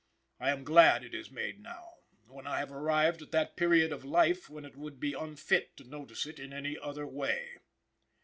I am glad it is made now, when I have arrived at that period of life when it would be unfit to notice it in any other way.